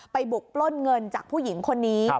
บุกปล้นเงินจากผู้หญิงคนนี้